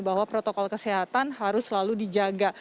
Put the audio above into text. bahwa protokol kesehatan harus selalu dijaga